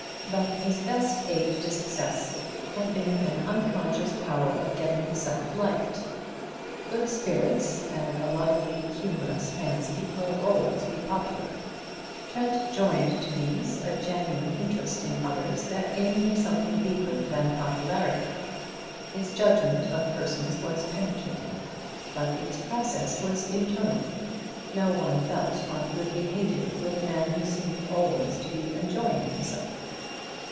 But his best aid to success had been an unconscious power of getting himself liked. Good spirits and a lively, humorous fancy will always be popular. Trent joined to these a genuine interest in others that gained him something deeper than popularity. His judgment of persons was penetrating, but its process was internal; no one felt on good behavior with a man who seemed always to be enjoying himself.